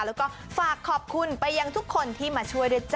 แล้วก็ฝากขอบคุณไปยังทุกคนที่มาช่วยด้วยจ้